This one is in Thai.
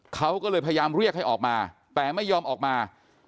เขาก็เลยพยายามเรียกให้ออกมาแต่ไม่ยอมออกมา